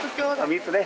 ３つね。